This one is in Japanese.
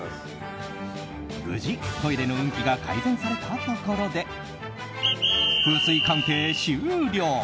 無事、トイレの運気が改善されたところで風水鑑定終了。